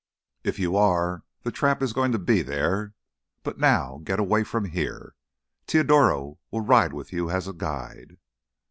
"If you are, the trap is going to be there. But now ... get away from here. Teodoro will ride with you as guide."